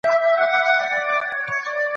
ایا ځايي کروندګر وچ انار اخلي؟